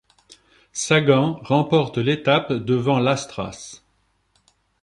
Sagan remporte l'étape devant Lastras.